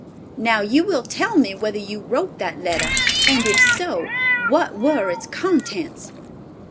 Now you will tell me whether you wrote that letter, and if so, what were its contents?"